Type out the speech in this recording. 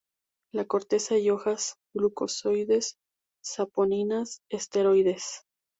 La corteza y hojas: glucósidos, saponinas, esteroides.